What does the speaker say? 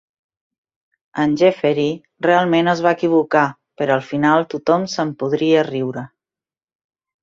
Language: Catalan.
En Jeffery realment es va equivocar, però al final tothom se'n podria riure.